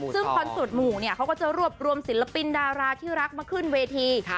ซึ่งคอนเสิร์ตหมู่เนี่ยเขาก็จะรวบรวมศิลปินดาราที่รักมาขึ้นเวที